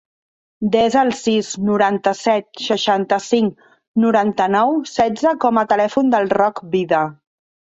Desa el sis, noranta-set, seixanta-cinc, noranta-nou, setze com a telèfon del Roc Vida.